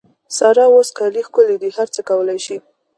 سارا اوس کالي کښلي دي؛ هر څه کولای سي.